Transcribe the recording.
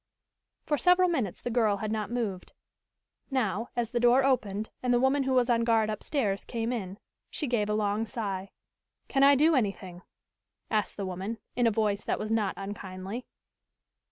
For several minutes the girl had not moved. Now, as the door opened and the woman who was on guard upstairs came in, she gave a long sigh. "Can I do anything?" asked the woman, in a voice that was not unkindly.